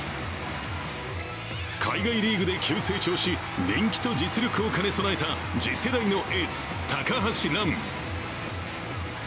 海外リーグで急成長し人気と実力を兼ね備えた次世代のエース・高橋藍。